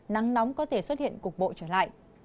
nắng nóng có thể xuất hiện cục bộ trở lại